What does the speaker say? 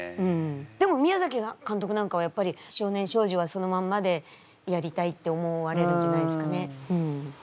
でも宮崎監督なんかはやっぱり少年少女はそのまんまでやりたいって思われるんじゃないですかね。